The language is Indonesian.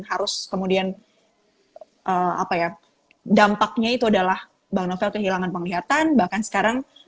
harus kemudian apa ya dampaknya itu adalah bang novel kehilangan penglihatan bahkan sekarang